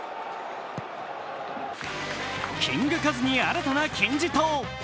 キングカズに新たな金字塔。